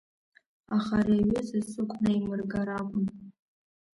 Аха ари аҩыза сықәнаимыргар акәын…